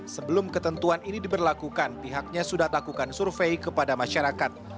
sebelum ketentuan ini diberlakukan pihaknya sudah lakukan survei kepada masyarakat